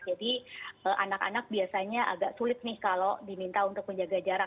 jadi anak anak biasanya agak sulit nih kalau diminta untuk menjaga jarak